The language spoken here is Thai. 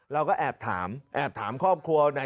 เราก็แอบถามแอบถามครอบครัวนาย